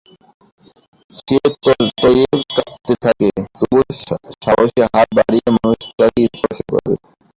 সে তয়ে কাঁপতে থাকে, তবু সাহসে হাত বাড়িয়ে মানুষটাকে স্পর্শ করে।